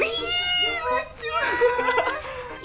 wih lucu banget